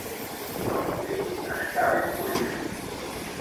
El cubell està ben buit.